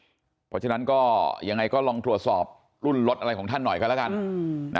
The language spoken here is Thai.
เพราะฉะนั้นก็ยังไงก็ลองตรวจสอบรุ่นรถอะไรของท่านหน่อยกันแล้วกัน